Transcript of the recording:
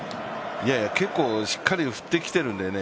いやいや、結構しっかり振ってきているんでね、